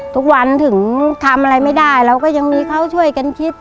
ทุกวันถึงทำอะไรไม่ได้เราก็ยังมีเขาช่วยกันคิด